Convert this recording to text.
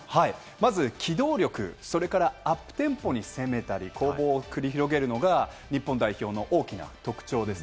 まず機動力、それからアップテンポに攻めたり、攻防を繰り広げるのが日本代表の大きな特徴です。